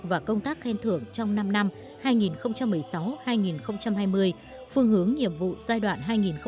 và công tác khen thưởng trong năm năm hai nghìn một mươi sáu hai nghìn hai mươi phương hướng nhiệm vụ giai đoạn hai nghìn hai mươi hai nghìn hai mươi năm